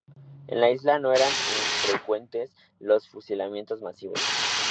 En la isla no eran infrecuentes los fusilamientos masivos.